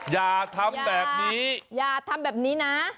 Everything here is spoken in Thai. อย่าทำแบบนี้อย่าทำแบบนี้นะ